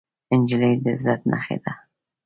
نجلۍ د عزت نښه ده.